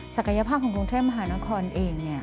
ศักยภาพของกรุงเทพมหานครเอง